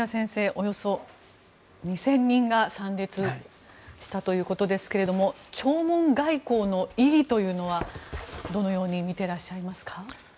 およそ２０００人が参列したということですが弔問外交の意義というのはどのように見ていらっしゃいますか。